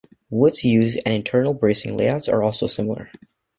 Woods used and internal bracing layouts are also similar.